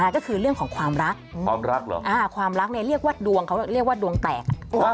ก็คือเรื่องของความรักความรักเหรอความรักเรียกว่าดวงเขาเรียกว่าดวงแตก